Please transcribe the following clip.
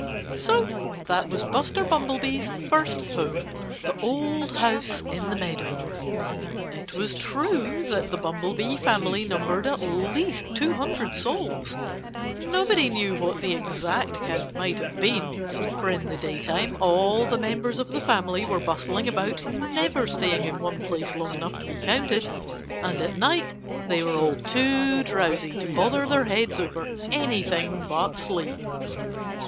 So that was Buster Bumblebee's first home the old house in the meadow. It was true that the Bumblebee family numbered at least two hundred souls. Nobody knew what the exact count might have been; for in the daytime all the members of the family were bustling about, never staying in one place long enough to be counted. And at night they were all too drowsy to bother their heads over anything but sleep.